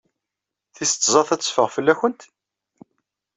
Tis tẓat ad teffeɣ fell-awent?